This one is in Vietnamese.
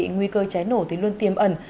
nguy cơ cháy nổ thì luôn tiêm ẩn